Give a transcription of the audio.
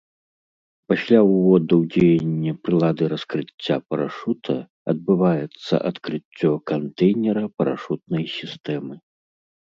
Пасля ўводу ў дзеянне прылады раскрыцця парашута, адбываецца адкрыццё кантэйнера парашутнай сістэмы.